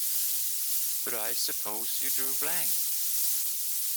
But I suppose you drew blank?